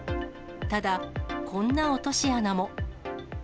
ただ、こんな落とし穴も。